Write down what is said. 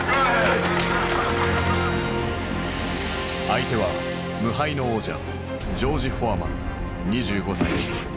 相手は無敗の王者ジョージ・フォアマン２５歳。